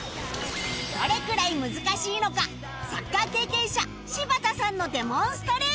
どれくらい難しいのかサッカー経験者柴田さんのデモンストレーション